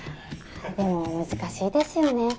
でも難しいですよね